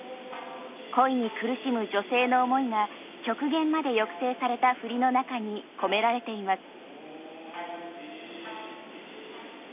恋に苦しむ女性の思いが極限まで抑制された振りの中に込められています。